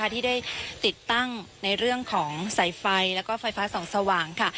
ที่ได้ติดตั้งในเรื่องของไฟฟ้าและส่องสว่าง